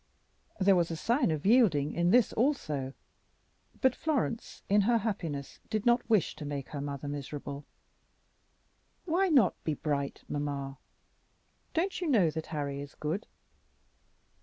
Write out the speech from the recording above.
There was a sign of yielding in this also; but Florence in her happiness did not wish to make her mother miserable, "Why not be bright, mamma? Don't you know that Harry is good?"